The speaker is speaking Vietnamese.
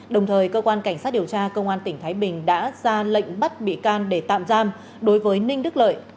đồng thời cơ quan cảnh sát điều tra công an tỉnh thái bình đã ra lệnh bắt bị can để tạm giam đối với ninh đức lợi